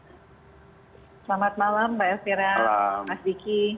selamat malam mbak elvira mas diki